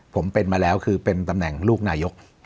ผมเป็นมาแล้วคือเป็นตำแหน่งลูกนายก